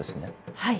はい。